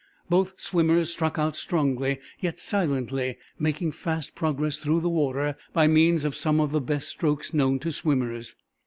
Both swimmers struck out strongly, yet silently, making fast progress through the water by means of some of the best strokes known to swimmers.